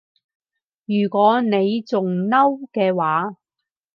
如果你仲嬲嘅話